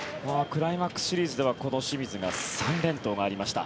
クライマックスシリーズではこの清水が３連投がありました。